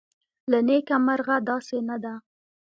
له نیکه مرغه داسې نه ده